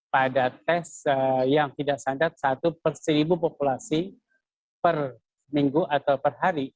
pada tes yang tidak standar satu per seribu populasi per minggu atau per hari